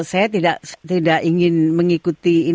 saya tidak ingin mengikuti